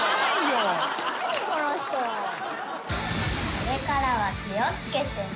これからは気を付けてね。